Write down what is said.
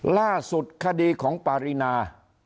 ล่าสุดคดีของปารีนา